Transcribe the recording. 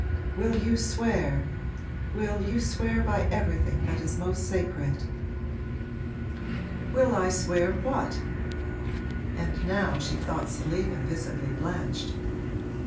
'Will you swear will you swear by everything that is most sacred?' 'Will I swear what?' And now she thought Selina visibly blanched.